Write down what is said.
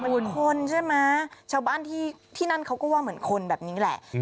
เหมือนคนใช่ไหมชาวบ้านที่นั่นเขาก็ว่าเหมือนคนแบบนี้แหละ